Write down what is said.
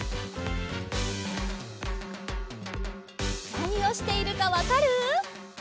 なにをしているかわかる？